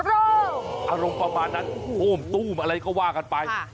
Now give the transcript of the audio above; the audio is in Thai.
โอ้โหอารมณ์ประมาณนั้นโอ้โหตู้มอะไรก็ว่ากันไป